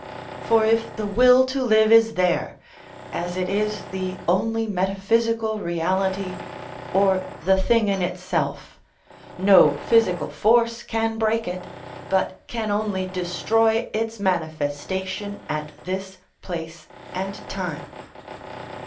For if the will to live is there, as it is the only metaphysical reality, or the thing in itself, no physical force can break it, but can only destroy its manifestation at this place and time.